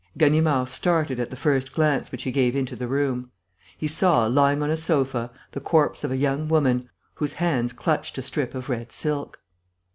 Ganimard started at the first glance which he gave into the room. He saw, lying on a sofa, the corpse of a young woman whose hands clutched a strip of red silk!